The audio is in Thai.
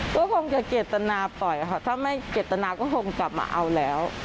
ก็คงจะเจตนาปล่อยค่ะถ้าไม่เจตนาก็คงกลับมาเอาแล้ว